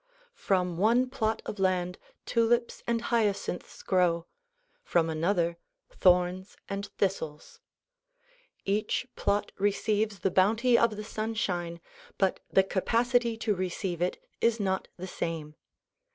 Ftom one plot of land tulips and hyacinths grow; from another, thorns and thistles. Each plot receives the bounty of the sunshine but the capacity to receive it is not the same.